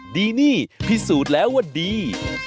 ดีนี่พิสูจน์แล้วว่าดี